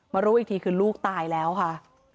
รู้อีกทีคือลูกตายแล้วค่ะ